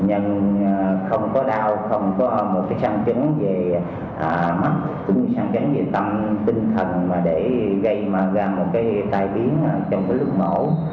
nhân không có đau không có một cái sáng chấn về mắt cũng sáng chấn về tâm tinh thần để gây ra một cái tai biến trong lúc mổ